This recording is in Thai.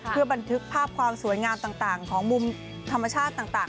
เพื่อบันทึกภาพความสวยงามต่างของมุมธรรมชาติต่าง